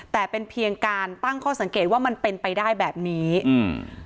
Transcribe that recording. แต่เป็นเพียงการตั้งข้อสังเกตว่ามันเป็นไปได้แบบนี้อืม